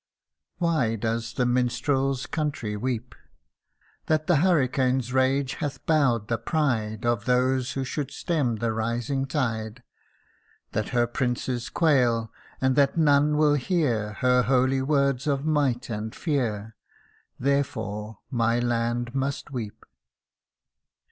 Why does the minstrel's country weep ? That the hurricane's rage hath bowed the pride Of those who should stem the rising tide ; MY NATIVE LAND. 257 That her princes quail and that none will hear Her holy words of might and fear Therefore my land must weep